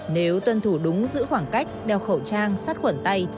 nếu tuân thủ đúng giữ khoảng cách đeo khẩu trang sát khuẩn tay